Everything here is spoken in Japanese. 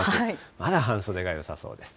まだ半袖がよさそうです。